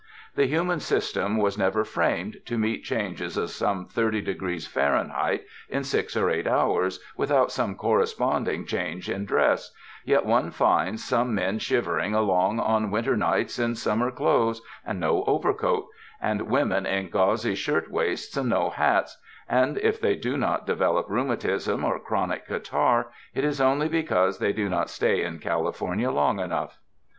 The human system was never framed to meet changes of some thirty de grees Fahrenheit in six or eight hours without some corresponding change in dress, yet one finds some men shivering along on winter nights in summer clothes and no overcoat, and women in gauzy shirt waists and no hats, and if they do not develop rheumatism or chronic catarrh, it is only because they do not stay in California long enough.